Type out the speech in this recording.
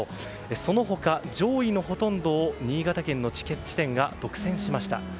その他、上位のほとんどを新潟県の地点が独占しました。